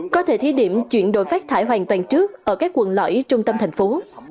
có thể thí điểm chuyển đổi phát thải hoàn toàn trước ở các quận lõi trung tâm thành phố